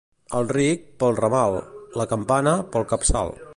Al ric, pel ramal; la campana, pel capçal.